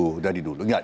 nah dari dulu